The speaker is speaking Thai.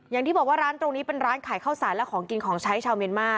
อย่างที่บอกว่าร้านตรงนี้เป็นร้านขายข้าวสารและของกินของใช้ชาวเมียนมา